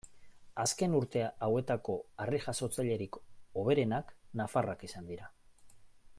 Azken urte hauetako harri-jasotzailerik hoberenak nafarrak izan dira.